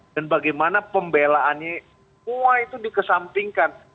dan bagaimana pembelaannya itu dikesampingkan